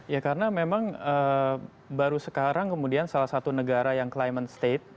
ya karena memang baru sekarang kemudian salah satu negara yang climate state